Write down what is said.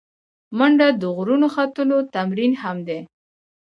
منډه د غرونو ختلو تمرین هم دی